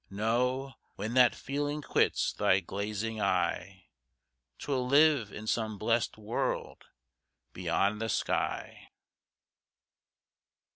No, when that feeling quits thy glazing eye 'Twill live in some blest world beyond the sky.